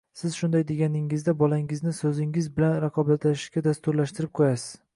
Siz shunday deganingizda, bolangizni so‘zingiz bilan raqobatlashishga dasturlashtirib qo‘yasiz.